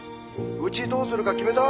うちどうするか決めた？